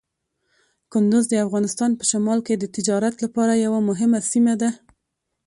کندز د افغانستان په شمال کې د تجارت لپاره یوه مهمه سیمه ده.